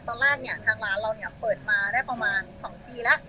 ตอนแรกเนี่ยทางร้านเราเนี่ยเปิดมาได้ประมาณ๒ปีแล้ว